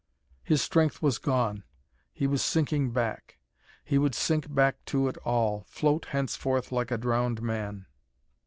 His strength was gone, he was sinking back. He would sink back to it all, float henceforth like a drowned man.